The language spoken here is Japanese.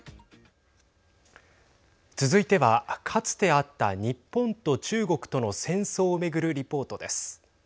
続いてはかつてあった日本と中国との戦争を巡るリポートです。